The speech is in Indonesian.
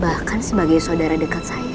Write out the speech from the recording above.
bahkan sebagai saudara dekat saya